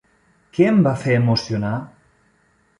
Què em va fer emocionar?